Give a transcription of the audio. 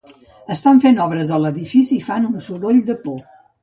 Estan fent obres a l'edifici i fan un soroll de por.